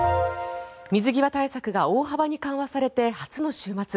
水際対策が大幅に緩和されて初の週末。